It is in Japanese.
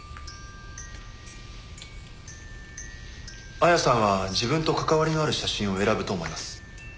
亜矢さんは自分と関わりのある写真を選ぶと思います。